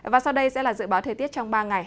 và sau đây sẽ là dự báo thời tiết trong ba ngày